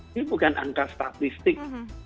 ini bukan angka statistik